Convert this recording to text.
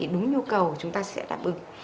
đúng nhu cầu chúng ta sẽ đáp ứng